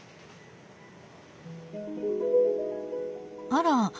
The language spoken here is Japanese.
あら？